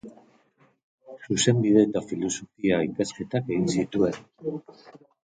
Zuzenbide- eta Filosofia-ikasketak egin zituen.